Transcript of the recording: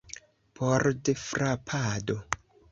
Pordfrapado